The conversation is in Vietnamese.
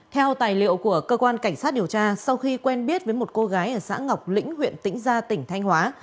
theo tài liệu của cơ quan cảnh sát điều tra sau khi quen biết với một cô gái ở xã ngọc lĩnh huyện tĩnh gia tỉnh thanh hóa